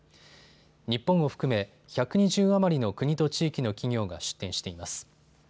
日本を含め１２０余りの国と地域の企業が出展しています。